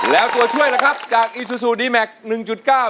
แล้วตัวช่วยล่ะครับจากอีซูซูดีแม็กซ์หนึ่งจุดเก้า